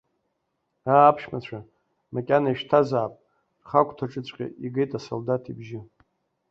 Аа, аԥшәмацәа макьана ишьҭазаап, рхагәҭаҿыҵәҟьа игеит асолдаҭ ибжьы.